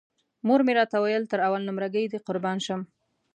مور مې راته ویل تر اول نمره ګۍ دې قربان شم.